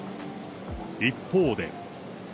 一方で。